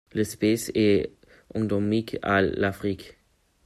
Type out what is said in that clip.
L'espèce est endémique à l'Afrique.